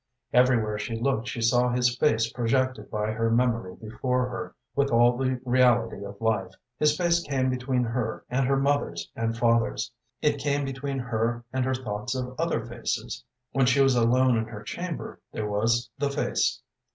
Everywhere she looked she saw his face projected by her memory before her with all the reality of life. His face came between her and her mother's and father's, it came between her and her thoughts of other faces. When she was alone in her chamber, there was the face.